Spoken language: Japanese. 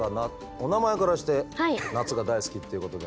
お名前からして夏が大好きっていうことで。